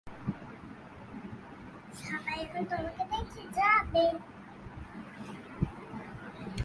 এই তহবিল ভালো ফলাফলের জন্য বৃত্তি ও স্বর্ণপদক প্রদান করে।